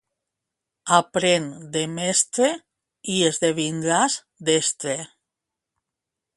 Aprèn de mestre i esdevindràs destre.